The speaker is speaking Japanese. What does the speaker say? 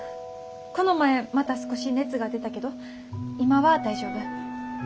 この前また少し熱が出たけど今は大丈夫。